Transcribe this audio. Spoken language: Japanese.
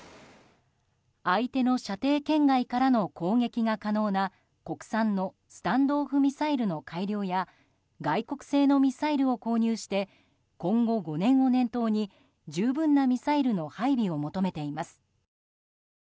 相手の射程圏外からの攻撃が可能な国産のスタンド・オフ・ミサイルの改良や外国製のミサイルを購入して今後５年を念頭に十分なミサイルの配備を求めています。